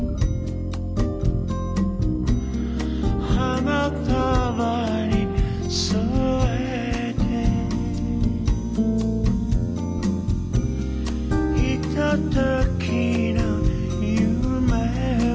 「花束に添えて」「ひとときの夢を」